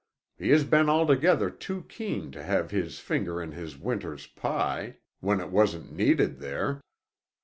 He has been altogether too keen to have his finger in this winter's pie—when it wasn't needed there.